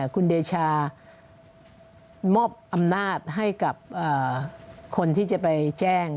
คุณเดชามอบอำนาจให้กับคนที่จะไปแจ้ง